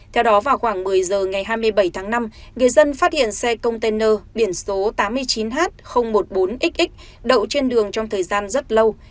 theo đó vào khoảng một mươi giờ ngày hai mươi bảy tháng năm người dân phát hiện xe container biển số tám mươi chín h một mươi bốn x đậu trên đường trong thời gian rất lâu